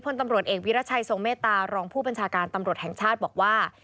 พลตำรวจเอกวิรัชัยทรงเมตตารองผู้บัญชาการตำรวจแห่งชาติบอกว่า